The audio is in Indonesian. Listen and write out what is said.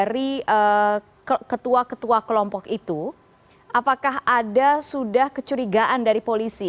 dari ketua ketua kelompok itu apakah ada sudah kecurigaan dari polisi